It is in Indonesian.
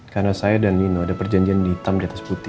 karena saya dan nino ada perjanjian hitam di atas putih